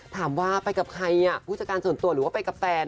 ถามว่าไปกับใครผู้จัดการส่วนตัวหรือว่าไปกับแฟน